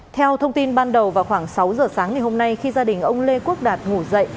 theo thông tin ban đầu vào khoảng sáu giờ sáng ngày hôm nay khi gia đình ông lê quốc đạt ngủ dậy